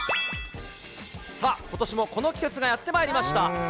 さあ、ことしもこの季節がやってまいりました。